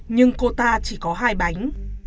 nhưng cô ta chỉ có hai bánh